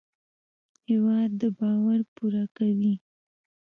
هېواد د باور پوره کوي.